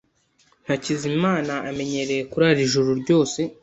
Hakizimana amenyereye kurara ijoro ryose.